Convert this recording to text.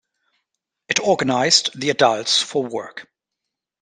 It organized the adults for work.